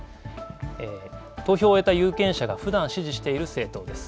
投票を終えた有権者がふだん支持している政党です。